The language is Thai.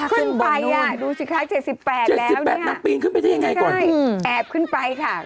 ขึ้นไปอ่ะดูสิคะเจ็ดสิบแปดแล้วเนี่ยเจ็ดสิบแปดนักปีนขึ้นไปได้ยังไงก่อนอืมแอบขึ้นไปค่ะ